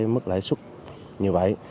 mức lãi suất như vậy